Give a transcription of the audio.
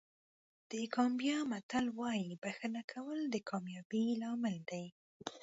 د ګامبیا متل وایي بښنه کول د کامیابۍ لامل دی.